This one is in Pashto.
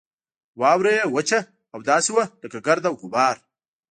واوره یې وچه او داسې وه لکه ګرد او غبار.